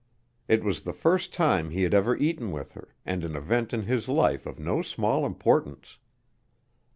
It was the first time he had ever eaten with her, and an event in his life of no small importance.